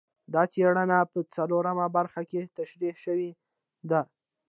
دا څېړنې په څلورمه برخه کې تشرېح شوي دي.